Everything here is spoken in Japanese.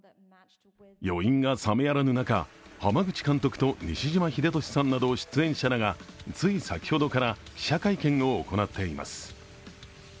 余韻が冷めやらぬ中、濱口監督と西島秀俊さんなど出演者らがつい先ほどから記者会見を行っています。